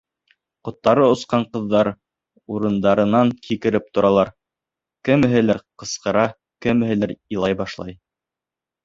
Ҡоттары осҡан ҡыҙҙар урындарынан һикереп торалар, кемеһелер ҡысҡыра, кемеһелер илай башлай.